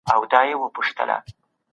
که انټرنیټي اسانتیا وي نو پرمختګ نه دریږي.